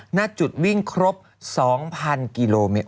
หน้าจุดวิ่งครบ๒๐๐กิโลเมตร